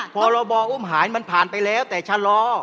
พรบอุ้มหายมันผ่านไปแล้วแต่ชะลอ